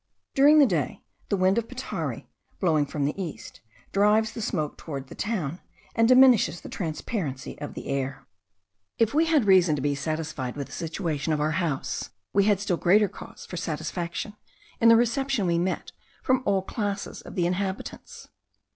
During the day, the wind of Petare, blowing from the east, drives the smoke towards the town, and diminishes the transparency of the air. If we had reason to be satisfied with the situation of our house, we had still greater cause for satisfaction in the reception we met with from all classes of the inhabitants.